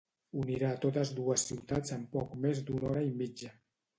Unirà totes dues ciutats en poc més d’una hora i mitja.